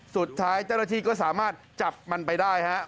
สุดท้ายเจ้าหน้าที่ก็สามารถจับมันไปได้ฮะ